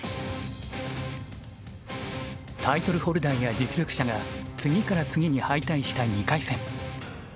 タイトルホルダーや実力者が次から次に敗退した２回戦。